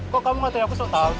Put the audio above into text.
kok kamu gak tau ya aku so tau